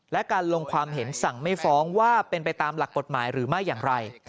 และการลงความเห็นสั่งไม่ฟ้องว่าเป็นไปตามหลักกฎหมายหรือไม่อย่างไร